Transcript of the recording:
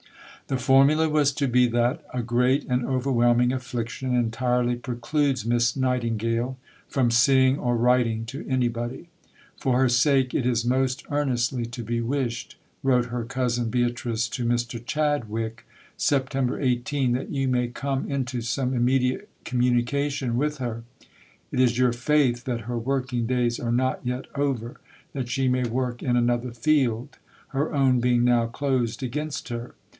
The formula was to be that "a great and overwhelming affliction entirely precludes Miss Nightingale" from seeing or writing to anybody. "For her sake it is most earnestly to be wished," wrote her cousin Beatrice to Mr. Chadwick (Sept. 18), "that you may come into some immediate communication with her. It is your faith that her working days are not yet over, that she may work in another field, her own being now closed against her.